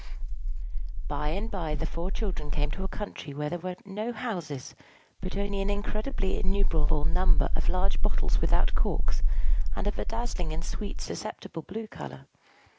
By and by the four children came to a country where there were no houses, but only an incredibly innumerable number of large bottles without corks, and of a dazzling and sweetly susceptible blue color.